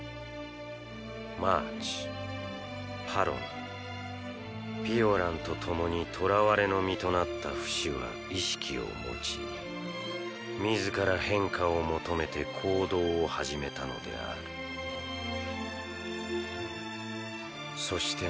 マーチパロナピオランとともにとらわれの身となったフシは意識を持ち自ら変化を求めて行動を始めたのであるそして